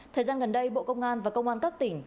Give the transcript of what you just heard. thời gian gần đây bộ công an và công an các tỉnh